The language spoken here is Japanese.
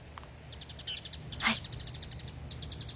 はい。